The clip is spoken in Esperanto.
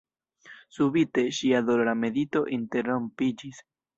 Subite ŝia dolora medito interrompiĝis.